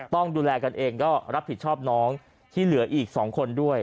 ต้องดูแลกันเองก็รับผิดชอบน้องที่เหลืออีก๒คนด้วย